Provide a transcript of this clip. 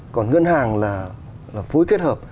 còn ngân hàng là phối kết hợp